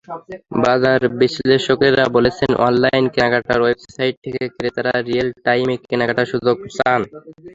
বাজার বিশ্লেষকেরা বলছেন, অনলাইন কেনাকাটার ওয়েবসাইট থেকে ক্রেতারা রিয়েল টাইমে কেনাকাটার সুযোগ চান।